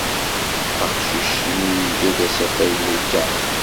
Aqcic-nni iga-d asafag n lkaɣeḍ.